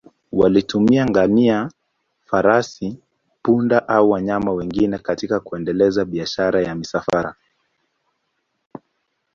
Walitumia ngamia, farasi, punda au wanyama wengine katika kuendeleza biashara ya misafara.